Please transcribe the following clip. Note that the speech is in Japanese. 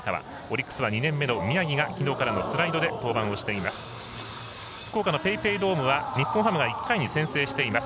オリックスは２年目の宮城がきのうからのスライドで登板をしています。